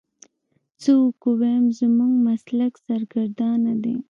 څه وکو ويم زموږ مسلک سرګردانه دی.